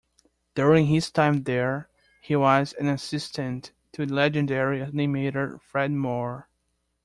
During his time there he was an assistant to legendary animator Fred Moore.